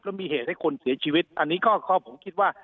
แล้วมีเหตุให้คนเสียชีวิตอันนี้ก็ผมคิดว่า